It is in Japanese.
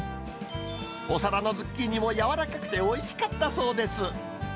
お皿のズッキーニも柔らかくておいしかったそうです。